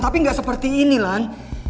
tapi gak seperti ini lan